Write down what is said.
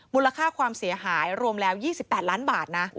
มูลค่าความเสียหายรวมแล้ว๒๘ล้านบาทนะ